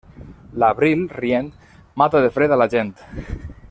L'abril, rient, mata de fred a la gent.